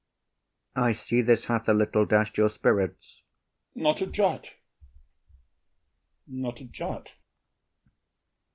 IAGO. I see this hath a little dash’d your spirits. OTHELLO. Not a jot, not a jot.